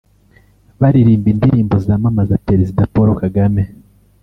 baririmba indirimbo zamamaza Perezida Paul Kagame